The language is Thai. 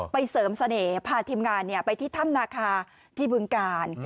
เสริมเสน่ห์พาทีมงานไปที่ถ้ำนาคาที่บึงกาล